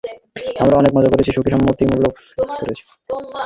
আমরা অনেক মজা করেছি, সুখী, সম্মতিমূলক সেক্স করেছি।